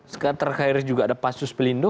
sekarang terkait juga ada pansus pelindo